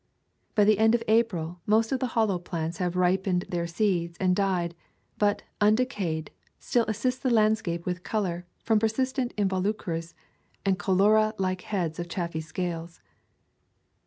By the end of April most of the Hollow plants have ripened their seeds and died; but, undecayed, still assist the landscape with color from persistent involucres and co rolla like heads of chaffy scales.